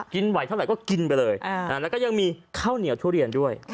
กินไหวเท่าไหร่ก็กินไปเลย